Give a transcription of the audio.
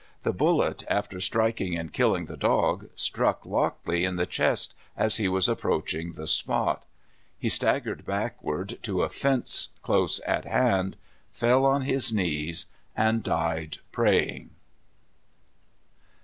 The bullet, after striking and killing the dog, struck Lockley in the chest as he was approaching the spot. He staggered backward to a fence close at hand, fell on his knees, and died praying.